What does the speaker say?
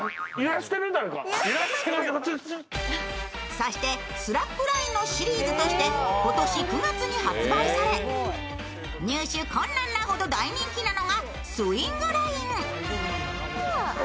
そしてスラックラインのシリーズとして今年９月に発売され入手困難なほど、大人気なのがスウィングライン。